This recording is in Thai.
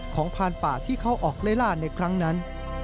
พานป่าที่เข้าออกไล่ล่าในครั้งนั้น